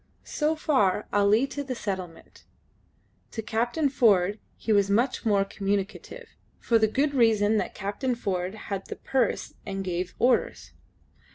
So far Ali to the settlement. To Captain Ford he was much more communicative, for the good reason that Captain Ford had the purse and gave orders.